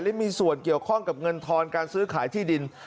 และมีส่วนเกี่ยวข้องกับเงินทอนการซื้อขายที่ดิน